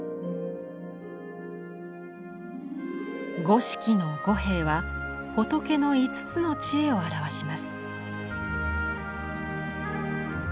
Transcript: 五色の御幣は仏の５つの智慧を表します。